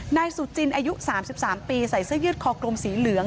นายสุจินอายุ๓๓ปีใส่เสื้อยืดคอกลมสีเหลือง